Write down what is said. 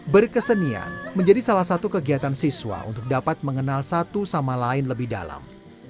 berkesenian menjadi salah satu kegiatan siswa untuk dapat mengenal satu sama lain lebih dalam